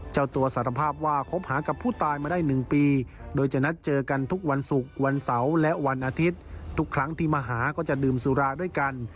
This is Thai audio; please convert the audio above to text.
เจ้าตัวสารภาพว่าคบหากับผู้ตายมาได้๑ปีโดยจะนัดเจอกันทุกวันศุกร์วันเสาร์และวันอาทิตย์ทุกครั้งที่มาหาก็จะดื่มสุราด้วยกัน